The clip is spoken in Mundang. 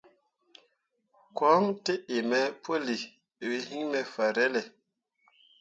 Koɲ tǝ iŋ me pǝlii, we hyi me fahrelle.